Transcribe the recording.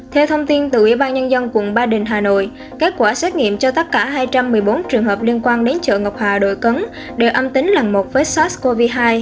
theo thông tin từ ủy ban nhân dân quận ba đình hà nội kết quả xét nghiệm cho tất cả hai trăm một mươi bốn trường hợp liên quan đến chợ ngọc hà đội cấn đều âm tính lần một với sars cov hai